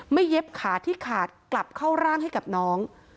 เย็บขาที่ขาดกลับเข้าร่างให้กับน้อง